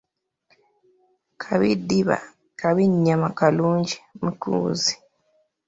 Kabi ddiba kabi nnyama kalungi "mucuuzi"